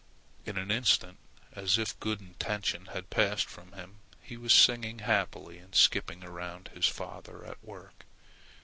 In an instant, as if his good intention had passed from him, he was singing happily and skipping around his father at work.